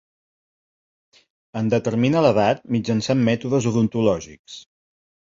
En determina l'edat mitjançant mètodes odontològics.